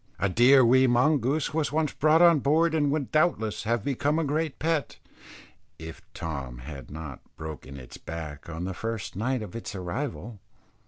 A dear wee mongoose was once brought on board, and would doubtless have become a great pet, if Tom had not broken its back on the first night of its arrival.